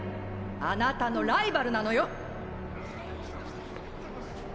あなたのライバルなのよ！